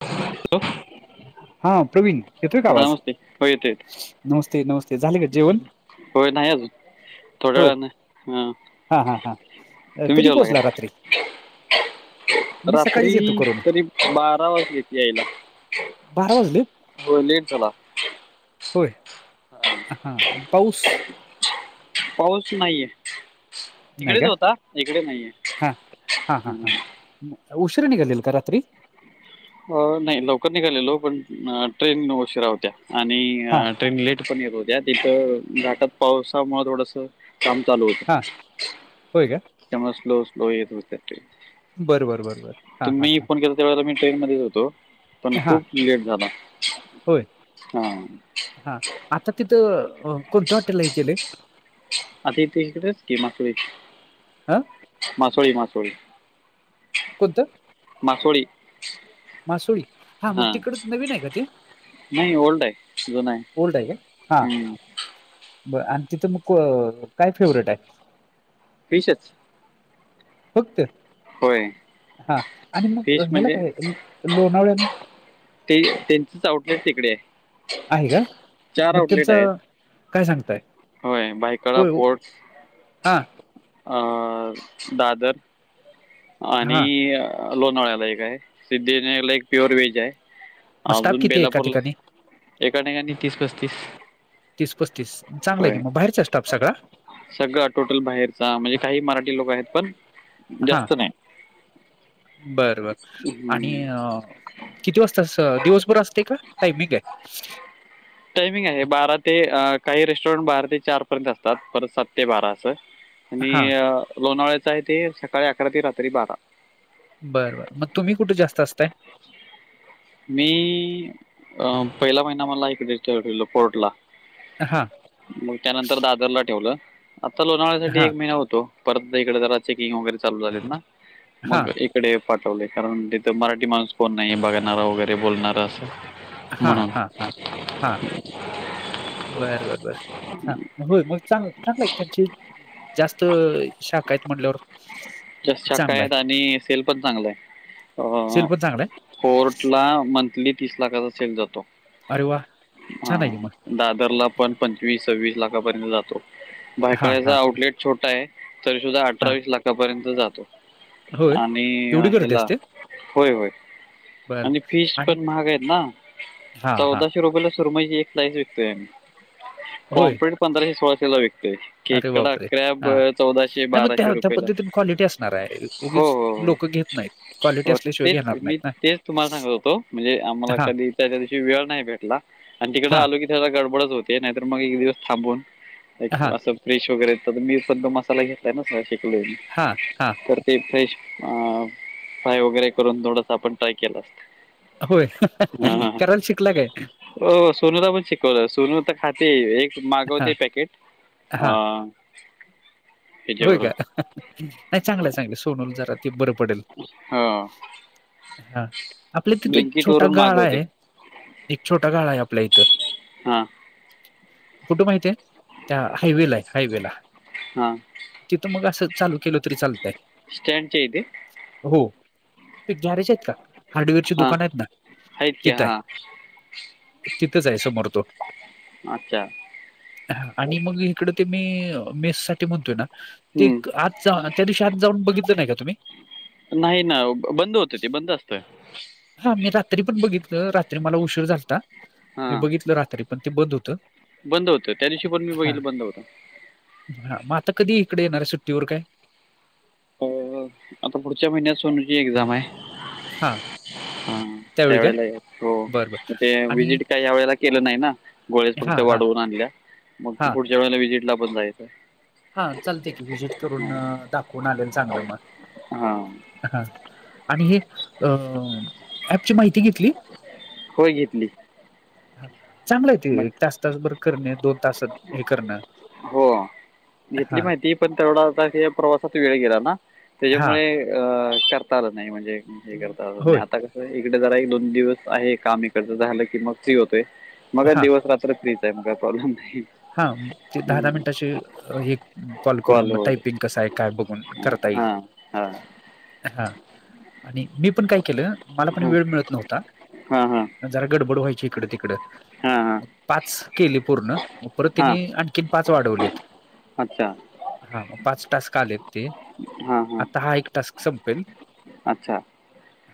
[inaudible] हा प्रवीण, येतोय का हा आवाज नमस्ते हो येतो येतो नमस्ते नमस्ते झाले का जेवण. होय नाही अजून. थोड्या होय वेळान ह हा हा हा अ, तुम्ही कधी जेवला पोहोचला रात्री काय. मी सकाळीच येतो रात्री करून तरी बारा वाजलेत यायला. बारा वाजले हो लेट झाला होय. आ हा पाऊस! पाऊस नाहीये. नाही तिकडेच का होता इकडे नाहीये ह. उशीर निघाल्याल का रात्री? अ नाही लवकर निघालेलो पण ट्रेन उशिरा होत्या आणि हा ट्रेन लेट. अडचण येत होत्या तिथं घटात पावसामुळं थोडस काम चालू होतं. हा होय का! त्यामुळे स्लो स्लो येत होते ते बरं बरं बरं बरं हा हा तुम्ही फोन केल. त्यावेळेला मी ट्रेन मध्ये होतो पण हा हा खूप लेट झाला होय हा. हा आता तिथं कोणत्या हॉटेल हे केलंय? आता इथं इकडं की मासुळी हा मासुळी मासुळी. कोत! मासुळी. मासुळी हा मग तिकड नवीन आहे का ते? नाही ओल्ड आहे जुन आहे ओल्ड का हा हम्म. ब आणि तिथं मग काय फेवरेट हाय? फिशच. फक्त होय हा आणि मग फिश ह्याला म्हणजे काय लोणावळ्या ला? ते त्यांचेच आउटलेट तिकडे आहे आहे का चार मग आउटलेट आहेत. त्यांचं काय सांगताय होय भायखळा होय पोर्टस. हा! अ दादर! हा आणि लोणाळ्याला एक हाय सिद्धीविनायकला एक प्युअर वेज हाय. मग स्टाफ अजून किती आहे एका बेलापूरला ठिकाणी एका ठिकाणी तीस पस्तीस. तीस पस्तीस चांगलं हाय की मग बाहेरचा हाय स्टाफ सगळा? सगळा टोटल बाहेरचा म्हणजे काही मराठी लोक आहेत पण जास्त नाही. बर बर आणि हम्म. अ. किती वाजता अस दिवसभर असते का टायमिंग आहे? टायमिंग आहे बारा ते अ काही रेस्टॉरंट बारा ते चार पर्यंत असतात परत सात ते बारा असं आणि हा लोणावळ्यात इथं हाय ते सकाळी अकरा ते रात्री बारा. बरं बरं मग तुम्ही कुठ जास्त असताय? मी अ पहिला महिना मला इकडच ठेवल्याल पोर्ट ला. हा मग त्यानंतर दादरला ठेवलं आता लोणावळ्यासाठी हा एक महिना होतो. परत इकडे जरा चेकिंग वगैरे चालू झालेत ना हा मग एक कडे पाठवले कारण तिथं मराठी माणूस कोण नाही बघणारा वगैरे बोलणारा अस. हां हां हां हां बरं बरं बर हा होय मग चांगलं चांगलं एक त्यांची जास्त शाखा आहेत म्हटल्यावर जास्त चांगला शाखायेत आहे आणि सेल पण चांगलं सेल आहे. पण चांगला आहे कोर्ट ला मंथली तीस लाखाचा चेक जातो. अरे वा हा छान आहे की मग. दादरला पण पंचवीस सव्वीस लाखापर्यंत जातो हां, भायकळ्याचा हां, आउटलेट छोटा आहे. तरी सुद्धा हां. अठरावीस लाखापर्यंत जातो. होय? आणि एवढी गर्दी हेला असते? होय होय. बरं आणि फीस आणि पण महागा आहेत ना हां, हां. चौदाशे रुपययाला सुरमय हे एक स्लाईस विकतेय होय? पॉमप्रेट पंधराशे सोळाशेला विकतय. अरे खेकडा बापरे! कराॅब हां. चौदाशे नाही मग बाराशे त्या त्या रुपयेला. [unintelligible] असणार आहे. हो उगीच हो हो लोकं घेत नाहीत. क्वालिटी हो असल्याशिवाय तेच घेणार मी नाहीत ना. तेच तुम्हाला सांगत होतो म्हणजे आम्हाला हां, कधी च्या दिवशी वेळ नाही भेटला आणि तिकडे हां, आलो गडबडच होती नाहीतर मग एक दिवस थांबून हां, असं. फ्रेश वगैरे तर मी सद्धा मसाला घेतलाय ना शिकलोय हां हां. तर ते फिश फ्रेश अ फ्राय वगैरे करून थोडसं आपण ट्राय केलं असतं. होय हां हां हां. करायला शिकला काय. हो सोनुला पण शिकवलं. सोन खाते एक हां, मागवते पॅकेट अ हां. होय हेच्यावर का? नाही चांगलंय चांगलंय सोनूला जरा ते बरं पडेल. हा हा आपल्या तिथे एक ब्लिंकिट छोटा वरून गाळा मागवते आहे. एक छोटा गाळा आहे आपल्या इथं. हा कुठे माहित आहे त्या हायवे ला आहे हायवे ला. हा तिथं मग असं चालू केलं तरी चालतंय. स्टॅंडच्या इथे. हो ते गॅरेज आहेत का हार्डवेअर ची हां दुकान आहेत ना आहेत की तिथं हाय. हां तिथंच आहे समोर तो. अच्छा ह आणि मग इकडं ते मी मेस साठी म्हणतोय ना ते हम्म आज त्या दिवशी आत जाऊन बघितलं नाही का तुम्ही. नाही ना बंद होतं ते बंद असतंय. हा मी रात्री पण बघितलं रात्री मला उशीर झालता मी हां बघितलं रात्री पण ते बंद होतं. बंद होतं त्या दिवशी पण मी हा बघितलं बंद होतं. हा मग आता कधी इकडे येणार आहे सुट्टीवर काय. आता पुढच्या महिन्यात सोनूची एक्झाम आहे. हा ह त्यावेळी काय त्यावेळेला येतो बरं बरं ते आणि विजिट काय या वेळेला केलं नाही ना गोळेस हा फक्त हा वाढवून आणल्या मग त हा पुढच्या वेळेला विजिटला पण जायचं. हा चालते की व्हीजिट करून दाखवून आलेल चांगलं मग. हां हा आणि हे अ ऍपची माहिती घेतली. होय घेतली. चांगला आहे ते मग एक तास तास बर करणे दोन तासत हे करणं हो घेतली हा माहिती पण तेवढा आ प्रवासात वेळ गेला ना हा त्याच्यामुळे अ करता आला नाही म्हणजे हे करता होय आता इकडे जरा एक दोन दिवस आहे काम इकडचं झालं की मग फ्री होतोय मग हा दिवस रात्र फ्री त्यात काय प्रॉब्लेम नाही हा दहा दहा हम्म. मिनिटाचे एक कॉल करून मग टायपिंग कसं आहे काय बघून करता येईल हा हा आणि मी पण काय केलं मला पण हां वेळ मिळत नव्हता हां हां जरा गडबड व्हायची इकडे तिकडं हां हां मग पाच केली पूर्ण मग परत हां त्यांनी आणखीन पाच वाढवलेत अच्छा हा मग पाच टास्क आलेत ते हां हां आता हा एक टास्क संपेल अच्छा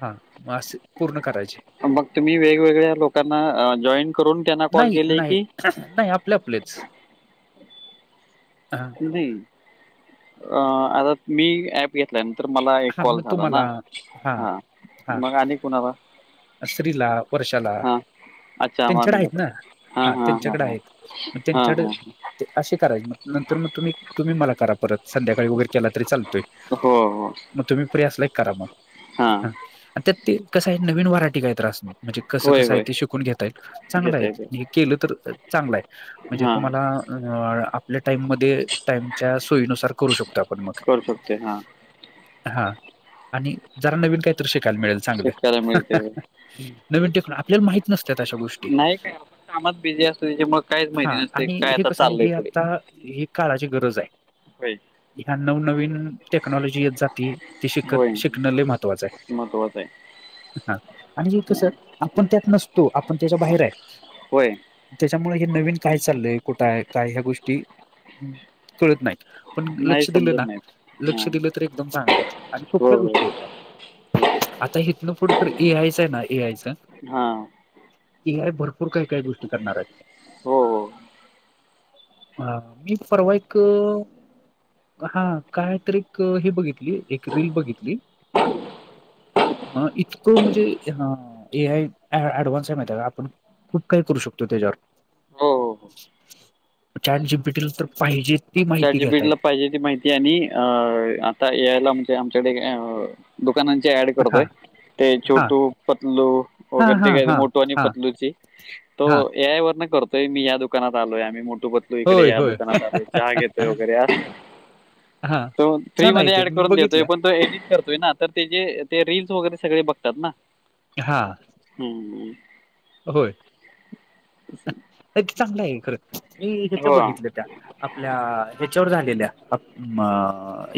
हा मग असे पूर्ण करायचे मग तुम्ही वेगवेगळ्या लोकांना जॉईन करून त्यांना कॉल नाही केले नाही की नाही आपले आपलेच हा आी घेतल्यानंतर मला एक हा कॉल मग झाला ना, तुम्हाला हा हा मग आणि कुणाला स्त्रीला पुरुषाला हां अच्छा त्यांच्याड मामीना आहेत पण ना हां हा हां हां त्यांच्याकडे हां आहेत मग हां त्यांच्याड हां असे करायचे मग नंतर मग तुम्ही तुम्ही मला करा परत संध्याकाळी वगैरे केला तरी चालतोय हो हो मग तुम्ही प्रिस लाईक करा मग हां ह त्यात ते कसं आहे नवीन व्हरायटी काहीत्रास म्हणजे कसं होय कसं आहे होय ते शिकून घेता येईल चांगलं घेता येते आहे केलं तर चांगलं आहे म्हणजे हां तुमला आपल्या टाईम टामच्या सोयीनुसार करू शकतो आपण मग करू शकते हां हा आणि जरा नवीन काहीतरी शिकायला मिळेल चांगलं शिकायला मिळते नवीन टिकून आपल्याला माहित नसत अशा गोष्टी नाही काय आपण कामात बिझी असतो त्याच्यामुळे काहीच माहिती हा नसते आणि काय हे आता कसं आहे चाललंय हे पुढे आता ह काळाची गरज आहे होय ह्या नवनवीन टेक्नॉलॉजी येत जाती ती होय शिकत शिकण महत्वाचं आहे महत्वाचं आहे हा आणि कस हां आपण त्यात नसतो आपण त्याच्या बाहेर आहे होय त्याच्यामुळे हे नवीन काय चाललंय कुठ आहे काय ह्या गोष्टी कळत नाही पण नाही लक्ष दिलं ना समजत नाही लक्ष हां दिलं तर एकदम चांगलं आहे आणि हो सोप्या गोष्टी हो आहेत आता हेतनं फडत ए आयच आहे ना ए आयच हां ए आय भरपूर काय काही गोष्टी करणार आहेत हो हो हो हा मी परवा एक एक हा काय तर एक हे बघितली एक रील बघितली हा इ त म्हणजे ए आय ऍडव्हान्स आहे माहिती आहे का आपण खूप काही करू शकतो त्याच्यावर हो हो चार जी बीटला तर पाहिजे ती माहिती चारजी घेता पीला येते पाहिजे ती माहिती आणि अ आता यायला म्हणजे आमच्याकडे अ दुकानांची ऍड हा करतोय ते हा छोटू पतलू हा वगैर हा ते का हा मोठू आणि हा पतलूची तो हा या वर न करतोय मी या दुकानात आलोय आम्ही मोठू पतलू इकडे होय या होय दुकानात आलोय चहा घेतो वगैरे या हा तो फ्री छान आहे मध्ये ते ऍड मी करून देतोय बघितल्या पण तो एडिट करतोय ना तर ते जे ते रीलस वगैरे सगळे बघतात ना हां हम्म.... होय नाही ते चांगलं आहे खरं मी ह्याच्या हो बघितलं त्या, आपल्या ह्याच्यावर झालेल्या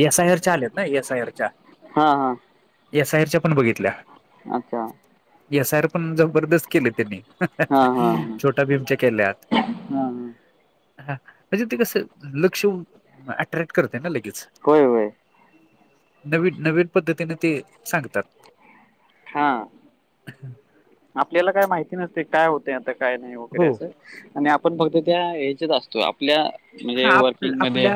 एस आय आरच्या आलेत ना एस आय आर च्या, हा, हा! एस आयरच्या पण बघितल्या अच्छा. एस आर पण जबरदस्त केले त्यांनी हा हा हा छोट केल्या हा, हा. म्हणजे ते कस लक्ष अट्रॅक्ट करते ना लगेच. होय होय नवीन नवीन पद्धतीने ते सांगतात. हा. अ्. [unintelligible] आपल्याला काय माहिती नसते काय होते आता काय नाही वगैरे हो असं आणि आपण फक्त त्या ह्याच्यात असतो. त आपल्या हा म्हणजे आप वर्किंग मध्ये आपल्या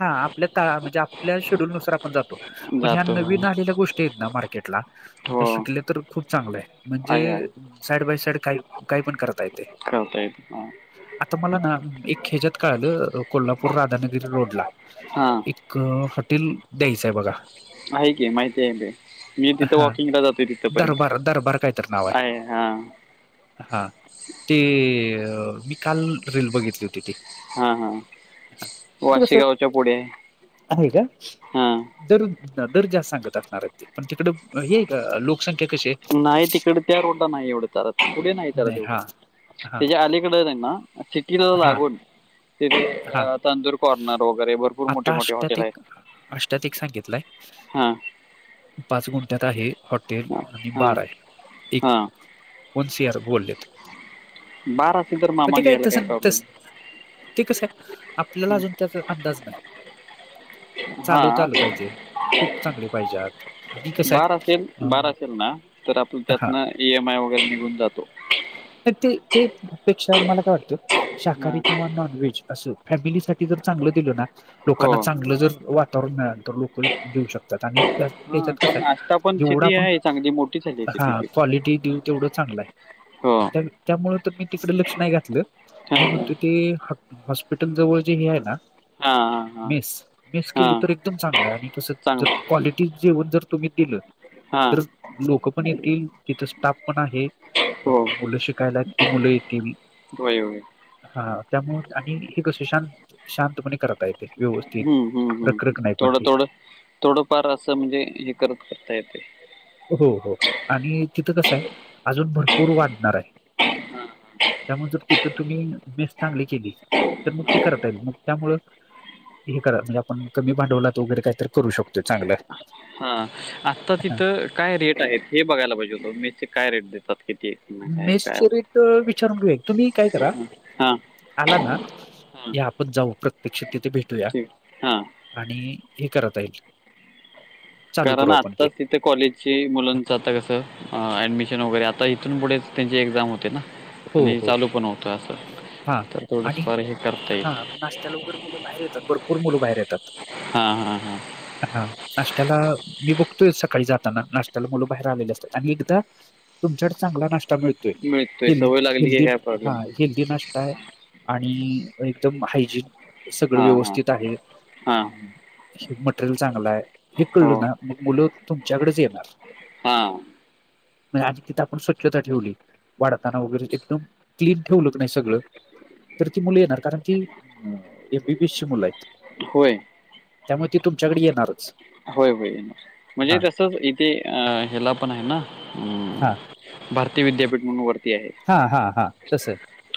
हा आपल्या म्हणजे आपल्या शेड्यूल नुसार आपण जातो. पण ह्या जातो नवीन आलेल्या गोष्टी आहेत ना मार्केटला त्या हो शिकले तर खूप चांगलं आहे. आहे आहे म्हणजे साईड बाय साईड काही काही पण करता येते. करता येत हा. आता मला ना एक ह्याच्यात काळलं. कोल्हापूर राधानगिरी रोडला हा हा एक हॉटेल द्यायचं आहे बघा. आहे की माहिती आहे ते. मी तिथे हा वॉकिंगला जातोय दरबार दरबार काय तर नाव तिथपर्यंत आहे हा. हा ते मी काल रील बघितली होती ती. हा, हा ते कसं वाशीिगावच्या पुढे आहे का हा. दर दर जा सांगत असणार ते पण तिकड हे का लोक. नाही तिकड त्या रोडला नाही एवढत पुढे नाहीत नाही एवढं हा हा त्याच्या अलीकडे. ना चिकी ला हा लागून. तिथे हा तांंदूर कॉर्नर वगैरे भरपूर मोठे, आता मोठे हॉटेल आहेत. कुठला हा आहे? पाच गुंठ्यात आहे हॉटेल हां आणि हां बार आहे एक हां वन सी आर. बोललेत बार असेल तर पण मामा ते काय घ्यायला प्रॉब्लेम तसस ते कसं आहे आपल्याला अजून त्याचा अंदाज नाही. हा... चालवता आलं पाहिजे कुक चांगले पाहिजेत आणि कसं बार आहे असेल बार असेल ना तर आपलं अ हा त्यातून. ई एम आय वगैरे निघून जातो. तर ते, ते पेक्षा मला काय वाटतं हां शाकाहारी किंवा नॉनव्हेज असं फॅमिलीसाठी, च दि ना हो लोकांना चांगलं जर वातावरण मिळाल तर. जेऊ शकतात आणि त्या हां त्याच्यात कस कारण आष्टा आहे पण जेवढा सिटी आपण आहे चांगली मोठी झाली आहे हा सिटी ती क्वालिटी देऊ तेवढं चांगलं आहे.. हो! त्यामुळे तर मी तिकडे लक्ष नाही घातलं मी हां म्हणतो ते हॉस्पिटल, जवळ जे हे आहे ना हां हां हां मेस, मेस केली हां तर एकदम चांगलं आहे आणि तस जर चांगलं क्वालिटी जेवण जर तुम्ही दिलं हां तर लोक पण येतील तिथं स्टाफ पण आहे. हो मुल शिकायला ती मुलं येतील. होय होय हा त्यामुळे आणि हे कस शांत शांतपणे करता येत. हम्म, हम्म, हम्म थोडं, थोडं थोडंफार असं म्हणजे हे करत करता येते. हो, हो आणि तिथं कसं आहे अजून भरपूर वाढणार आहे. त्यामुळेण तिथ तुम्ही मेस चांगली केली तर मग ते करता येईल. हे करा म्हणजे आपण कमी भांडवला तर वगैरे काय तर करू शकतो चांगलं. हा आत्ता हां. तिथं काय रेट आहेत हे बघायला पाहिजे होत मेस चे ाय रेट देतात कि मेस चे रेट विचारून घेऊया तुम्ही काय करा? हा आला ना हा की आपण जाऊ प्रत्यक्ष तिथे भेटूया. ठीक हा आणि हे करता येईल. चालू कारण करू आपण आत्ताच ते कॉलेजची मुलांच आता कसं ऍडमिशन वगैरे आता इथून पुढेच त्यांची एक्झाम होते ना. हो आणि हो. चालू पण होतोय असं. हा तर थोडस फार हे करता येईल. त्या लवकर मुले बाहेर येतात. भरपूर मुलं बाहेर येतात. हा हा हा हा नाश्त्याला मी बघतोय सकाळी जाताना नाश्त्याला मुलं बाहेर आलेले असतात. आणि एकदा तुमच्याक चांगला नाष्ट्या मिळतोय. मिळतोय सवय हेल्दी लागली की हेल्दी काय हा प्रॉब्लेम नाही. हेल्दी नाश्ता आहे. आणि एकदम हायजीन. सगळं हां हां व्यवस्थित आहे. हां हे मटेरियल चांगल आहे. हे कळल हो ना मग मुलं तुमच्याकडेच येणार. हा म्हणजी आज तिथं आपण स्व्छता ठेवली. वाढताना वगैरे एकदम क्लीन ठेवल की नाही सगळ तर ती मुलं येणार. कारण ती एमबीबीएस ची मुलं आहेत. होय. त्यामुळे ती तुमच्याकडे येणारच. होय होय हा म्हणजे तसच इथे अ हेला पण आहे ना. हम्म हा भारतीय विद्यापीठ म्हणून वर हा हा हा तस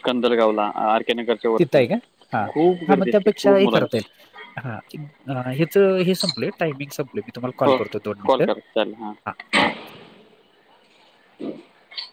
कंदलगावला आर के नगरच्या ति वरती ताई का. हा खूप हा मग गर्दी असते त्यापेक्षा खूप हे करा मुलांची त्याला. ह्याच हे संपलय. टायमिंग संपल‌. मी तुम्हाला कॉल हो करतो दोन कॉल मिनिट करा चालेल हां हा. हा [inaudible]